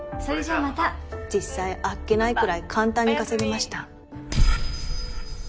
実際呆気ないくらい簡単に稼げました。